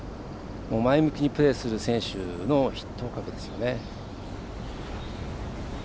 前向きにプレーする選手の筆頭格ですよね。